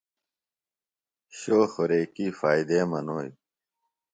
شو خوریکی فائدے منوئی؟